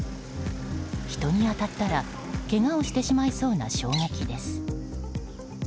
人に当たったらけがをしてしまいそうな衝撃です。